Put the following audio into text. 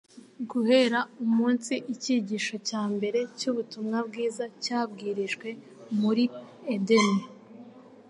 Guhera umunsi icyigisho cya mbere cy'ubutumwa bwiza cyabwirijwe muri Edeni,